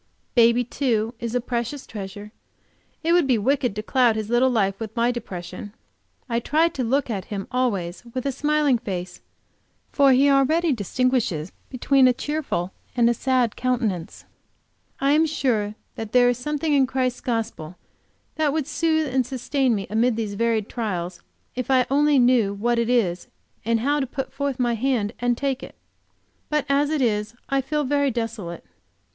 Baby, too, is a precious treasure; it would be wicked to cloud his little life with my depression. I try to look at him always with a smiling face, for he already distinguishes between a cheerful and a sad countenance. I am sure that there is something in Christ's gospel that would soothe and sustain me amid these varied trials, if I only knew what it is, and how to put forth my hand and take it. But as it is I feel very desolate.